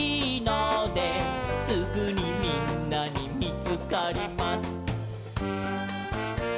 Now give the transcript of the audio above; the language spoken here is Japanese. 「すぐにみんなにみつかります」